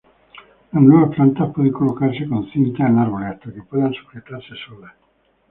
Las nuevas plantas pueden colocarse con cintas en árboles, hasta que puedan sujetarse solas.